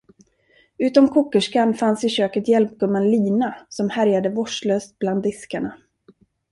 Utom kokerskan fanns i köket hjälpgumman Lina, som härjade vårdslöst bland diskarna.